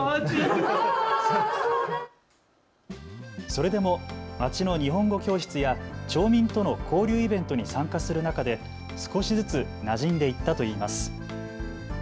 それでも町の日本語教室や町民との交流イベントに参加する中で少しずつなじんでいったといいます。